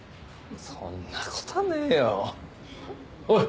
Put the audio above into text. そんな事はねえよ。おい！